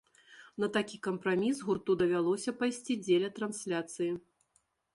На такі кампраміс гурту давялося пайсці дзеля трансляцыі.